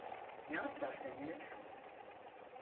Ne haltlar dönüyor?